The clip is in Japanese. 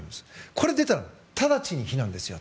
これが出たら直ちに避難です。